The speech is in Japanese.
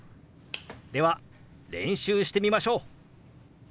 では練習してみましょう！